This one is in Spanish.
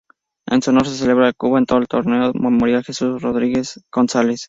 En su honor se celebra en Cuba todos el Torneo memorial Jesús Rodríguez González.